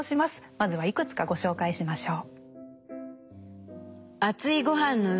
まずはいくつかご紹介しましょう。